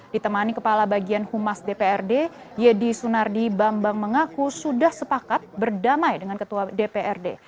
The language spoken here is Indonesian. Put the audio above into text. ditemani kepala bagian humas dprd yedi sunardi bambang mengaku sudah sepakat berdamai dengan ketua dprd